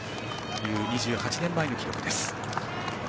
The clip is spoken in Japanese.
２８年前の記録です。